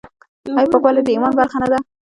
آیا پاکوالی د ایمان برخه نه ده؟